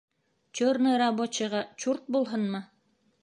Черный рабочийға чурт булһынмы?